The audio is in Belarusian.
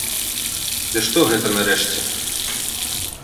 Ды што гэта, нарэшце?